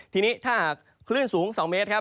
ทีนี้ถ้าหากคลื่นสูง๒เมตรครับ